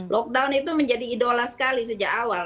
lockdown itu menjadi idola sekali sejak awal